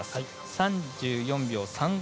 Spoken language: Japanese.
３４秒３５。